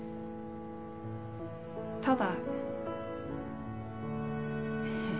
ただ。